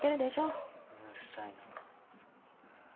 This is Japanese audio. うるさいな。